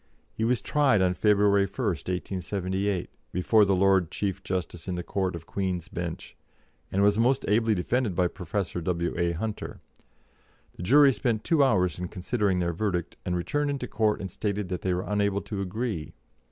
He was tried on February 1, 1878, before the Lord Chief Justice in the Court of Queen's Bench, and was most ably defended by Professor W.A. Hunter. The jury spent two hours in considering their verdict, and returned into court and stated that they were unable to agree.